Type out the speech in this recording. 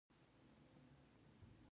راځئ په ګډه پښتو ژبې ته خدمت وکړو.